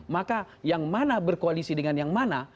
maka yang mana berkoalisi dengan yang mana